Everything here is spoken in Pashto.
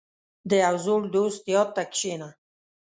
• د یو زوړ دوست یاد ته کښېنه.